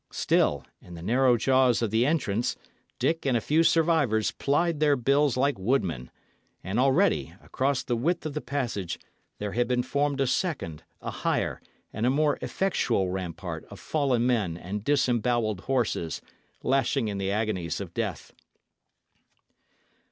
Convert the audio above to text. Still, in the narrow jaws of the entrance, Dick and a few survivors plied their bills like woodmen; and already, across the width of the passage, there had been formed a second, a higher, and a more effectual rampart of fallen men and disembowelled horses, lashing in the agonies of death.